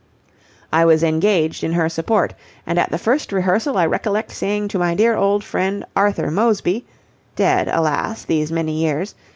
I was engaged in her support, and at the first rehearsal I recollect saying to my dear old friend, Arthur Moseby dead, alas, these many years.